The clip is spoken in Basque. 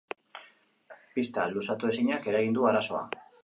Pista luzatu ezinak eragin du arazoa.